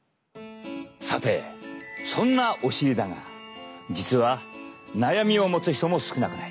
さてそんなお尻だが実は悩みを持つ人も少なくない。